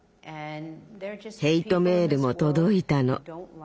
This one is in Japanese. ヘイトメールも届いたの。